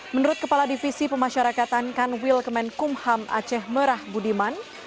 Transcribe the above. menurut kepala divisi pemasyarakatan kan wilkemen kumham aceh merah budiman